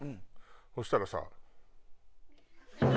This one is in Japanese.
そしたらさ。